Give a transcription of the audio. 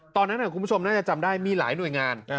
ตอนนั้นคุณผู้ชมน่าจะจำได้มีหลายหน่วยงาน